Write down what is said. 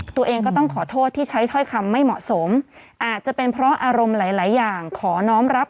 ตัวเองก็ต้องขอโทษที่ใช้ถ้อยคำไม่เหมาะสม